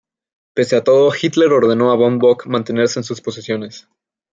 Pese a todo, Hitler ordenó a Von Bock mantenerse en sus posiciones.